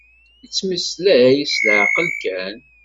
Yettmeslay s leɛqel kan.